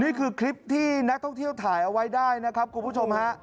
นี่คือคลิปที่นักท่องเที่ยวถ่ายเอาไว้ได้นะครับคุณผู้ชมฮะ